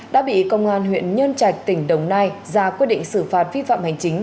đã bị công an huyện nhân trạch tỉnh đồng nai ra quyết định xử phạt vi phạm hành chính